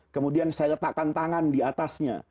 kemudian saya letakkan tangan diatasnya